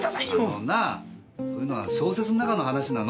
あのなそういうのは小説の中の話なの。